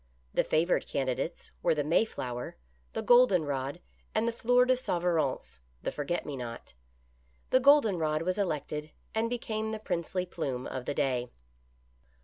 The favored candidates were the Mayflower, the golden rod, and the fleur de souverance (the forget me not). The golden rod was elected and became the princely plume of the day.